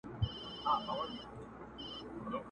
كومه پېغله به غرمه د ميوند سره كي.!